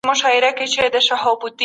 د وارداتو لږوالي د توکو بیې لوړي کړي.